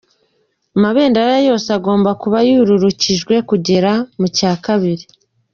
Amabendera yose agomba kuba yururukijwe kugera mu cya kabiri.